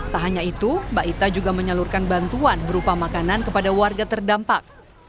tak hanya itu mbak ita juga menyalurkan bantuan berupa makanan kepada warga terdampak